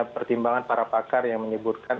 pertimbangan para pakar yang menyebutkan